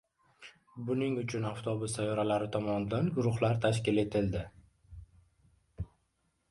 Buning uchun avtobus saroylari tomonidan guruhlar tashkil etildi